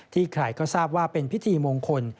ใครก็ทราบว่าเป็นพิธีมงคล